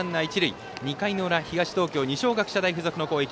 ２回の裏、東東京二松学舎大付属の攻撃。